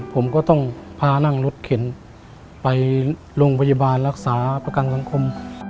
ผมก็ต้องพานั่งรถเข็นไปโรงพยาบาลรักษาประกันสังคม